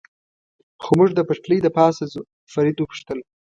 خو موږ د پټلۍ له پاسه ځو، فرید و پوښتل.